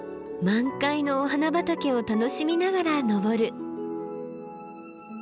満開のお花畑を楽しみながら登る。